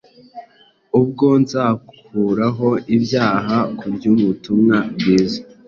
ubwo nzabukuraho ibyaha.’ Ku by’ubutumwa bwiza,